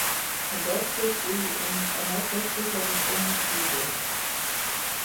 Von dort führt sie in nordwestlicher Richtung nach Hude.